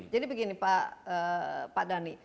jadi begini pak dhani